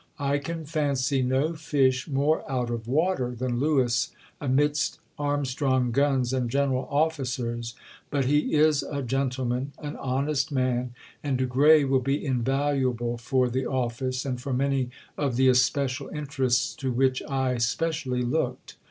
I can fancy no fish more out of water than Lewis amidst Armstrong guns and General Officers, but he is a gentleman, an honest man, and de Grey will be invaluable for the office and for many of the especial interests to which I specially looked.